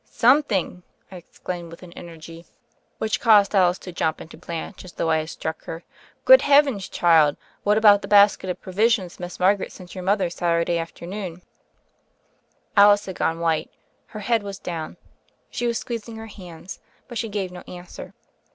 "Something 1" I exclaimed with an energy 52 THE FAIRY OF THE SNOWS which caused Alice to jump and to blanch as though I had struck her. "Good heavens, child, what about the basket of provisions Miss Margaret sent your mother Saturday after noon ?" Alice had gone white. Het head was down ; she was squeezing her hands, but she gave no answer.